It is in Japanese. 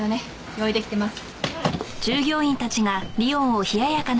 用意出来てます。